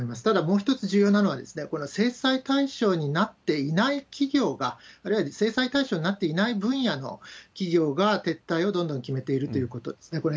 ただ、もう一つ重要なのは、この制裁対象になっていない企業が、あるいは制裁対象になっていない分野の企業が撤退をどんどん決めているということですね。